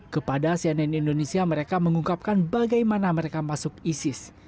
kepada cnn indonesia mereka mengungkapkan bagaimana mereka masuk isis